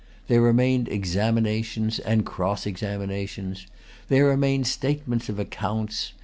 There remained examinations and cross examinations. There remained statements of accounts.